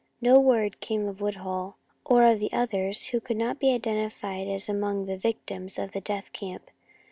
No word came of Woodhull, or of two others who could not be identified as among the victims at the death camp.